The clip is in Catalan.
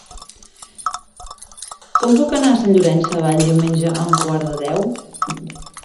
Com puc anar a Sant Llorenç Savall diumenge a un quart de deu?